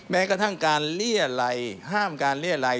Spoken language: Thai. แม้กระทั่งการเลี่ยไล่ห้ามการเลี่ยไล่